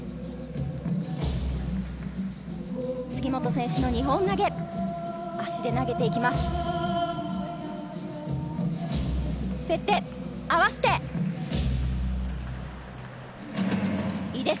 杉本選手の２本投げ、足で投げていきます。